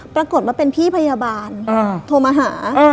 ปรากฏว่าเป็นพี่พยาบาลโทรมาหา